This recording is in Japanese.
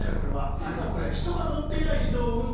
実はこれ人が乗っていない自動運転なんですけど。